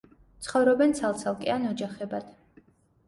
ცხოვრობენ ცალ-ცალკე ან ოჯახებად.